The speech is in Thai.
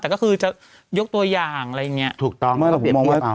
แต่ก็คือจะยกตัวอย่างอะไรอย่างนี้